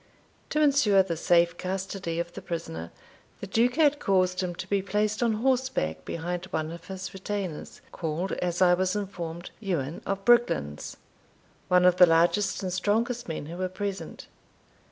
To ensure the safe custody of the prisoner, the Duke had caused him to be placed on horseback behind one of his retainers, called, as I was informed, Ewan of Brigglands, one of the largest and strongest men who were present.